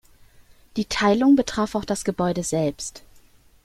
Die Teilung betraf auch das Gebäude selbst.